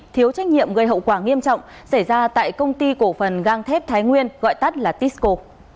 thiếu trách nhiệm gây hậu quả nghiêm trọng xảy ra tại công ty cổ phần gang thép thái nguyên gọi tắt là tisco